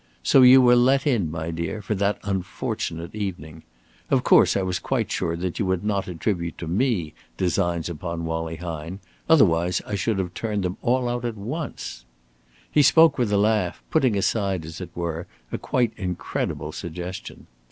So you were let in, my dear, for that unfortunate evening. Of course I was quite sure that you would not attribute to me designs upon Wallie Hine, otherwise I should have turned them all out at once." He spoke with a laugh, putting aside, as it were, a quite incredible suggestion.